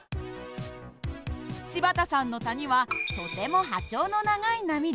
柴田さんの谷はとても波長の長い波です。